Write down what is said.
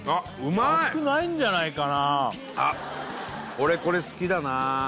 俺これ好きだな